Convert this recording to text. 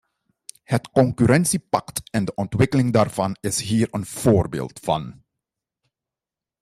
Het concurrentiepact en de ontwikkeling daarvan is hier een voorbeeld van.